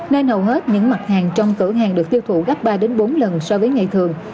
nên hầu hết những mặt hàng trong cửa hàng được tiêu thụ gấp ba bốn lần so với ngày thường